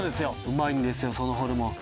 うまいんですよそのホルモン。